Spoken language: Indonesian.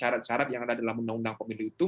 syarat syarat yang ada dalam undang undang pemilu itu